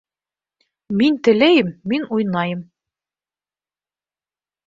— Мин теләйем, мин уйнайым!